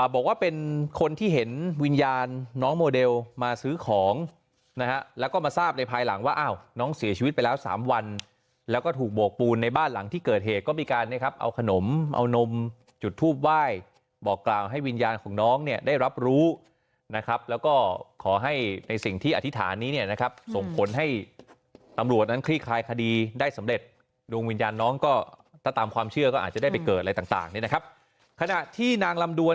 บอกว่าเป็นคนที่เห็นวิญญาณน้องโมเดลมาซื้อของนะครับแล้วก็มาทราบในภายหลังว่าน้องเสียชีวิตไปแล้ว๓วันแล้วก็ถูกโบกปูนในบ้านหลังที่เกิดเหตุก็มีการเนี่ยครับเอาขนมเอานมจุดทูบไหว้บอกกล่าวให้วิญญาณของน้องเนี่ยได้รับรู้นะครับแล้วก็ขอให้ในสิ่งที่อธิษฐานนี้เนี่ยนะครับส่งผลให้ตำรว